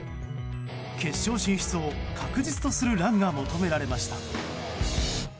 決勝進出を確実とするランが求められました。